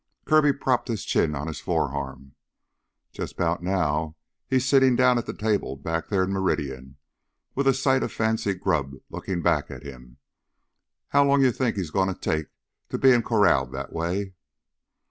Kirby propped his chin on his forearm. "Jus' 'bout now he's sittin' down at the table back theah in Meridian with a sight of fancy grub lookin' back at him. How long you think he's gonna take to bein' corraled that way?"